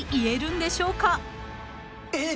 えっ？